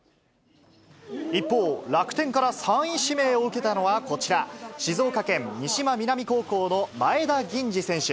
一方、楽天から３位指名を受けたのはこちら、静岡県三島南高校の前田銀治選手。